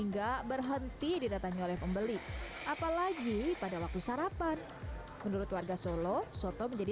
enggak berhenti didatangi oleh pembeli apalagi pada waktu sarapan menurut warga solo soto menjadi